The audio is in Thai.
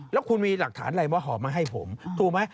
แล้วคุณมีหลักฐานอะไรว่าหอบมาให้ผมถูกไหม